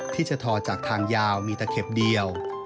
ที่จะทอจากทางยาวมีตะเข็บเดียว